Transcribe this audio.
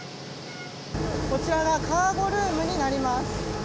こちらがカーゴルームになります。